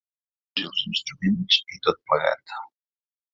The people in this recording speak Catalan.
Les veus i els instruments i tot plegat.